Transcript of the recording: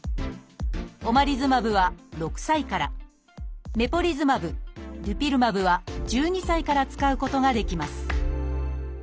オマリズマブは６歳からメポリズマブデュピルマブは１２歳から使うことができます